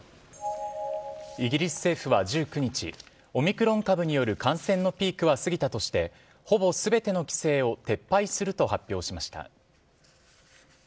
イギリス政府は１９日オミクロン株による感染のピークが過ぎたとしてほぼ全ての規制を撤廃すると発表しました。